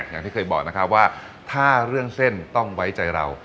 อย่างที่เคยบอกนะครับว่าถ้าเรื่องเส้นต้องไว้ใจเรา